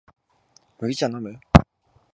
麦茶のむ？